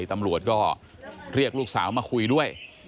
ตำรวจก็เรียกลูกสาวมาคุยด้วย